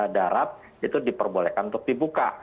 darat itu diperbolehkan untuk dibuka